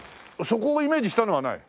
そこをイメージしたのはない？